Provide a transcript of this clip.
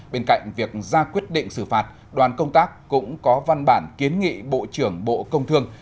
bên cạnh việc ra quyết định xử phạt đoàn công tác cũng có văn bản kiến nghị bộ trưởng bộ công thương